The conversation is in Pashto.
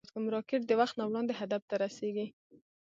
راکټ د وخت نه وړاندې هدف ته رسېږي